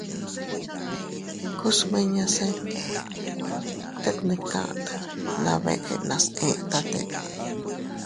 Ku smiñase tet ne kata na beʼe nas etate.